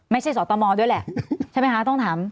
ไม่ใช่สอตมด้วยแหละใช่ไหมคะต้องถาม